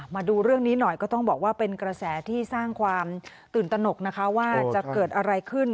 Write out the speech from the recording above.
มาดูเรื่องนี้หน่อยก็ต้องบอกว่าเป็นกระแสที่สร้างความตื่นตนกนะคะว่าจะเกิดอะไรขึ้น